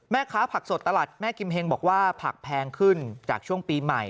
ผักสดตลาดแม่กิมเฮงบอกว่าผักแพงขึ้นจากช่วงปีใหม่